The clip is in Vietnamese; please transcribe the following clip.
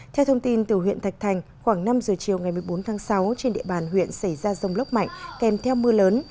theo thông tin từ huyện thạch thành khoảng năm giờ chiều ngày một mươi bốn tháng sáu trên địa bàn huyện xảy ra rông lốc mạnh kèm theo mưa lớn